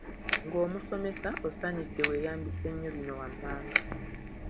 Ng’omusomesa, osaanidde weeyambise nnyo bino wammanga